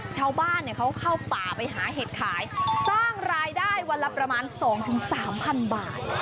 ชาวบ้านเขาเข้าป่าไปหาเห็ดขายสร้างรายได้วันละประมาณ๒๓๐๐๐บาท